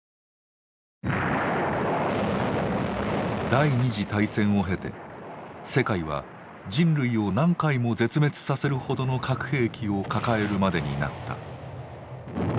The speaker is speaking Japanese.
第２次大戦を経て世界は人類を何回も絶滅させるほどの核兵器を抱えるまでになった。